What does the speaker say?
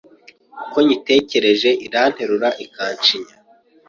Uko nyitekereje Iranterura ikancinya